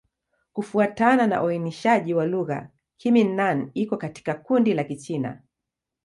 Kufuatana na uainishaji wa lugha, Kimin-Nan iko katika kundi la Kichina.